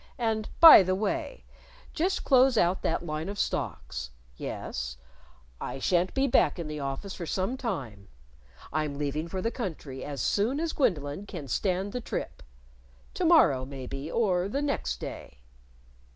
And by the way, just close out that line of stocks. Yes.... I shan't be back in the office for some time. I'm leaving for the country as soon as Gwendolyn can stand the trip. To morrow, maybe, or the next day....